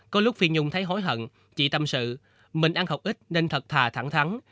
có lúc phi nhung thấy hối hận chị tâm sự mình ăn học ít nên thật thà thẳng thắng